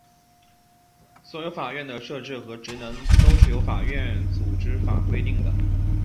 所有法院的设置和职能都是由法院组织法规定的。